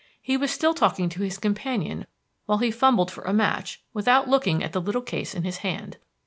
He was still talking to his companion while he fumbled for a match without looking at the little case in his hand.